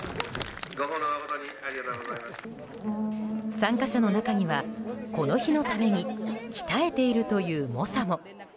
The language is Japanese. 参加者の中にはこの日のために鍛えているという猛者も。